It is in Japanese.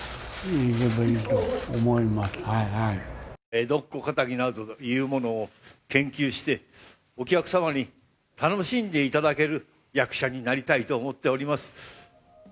江戸っ子かたぎなどというものを研究してお客様に楽しんでいただける役者になりたいと思っております。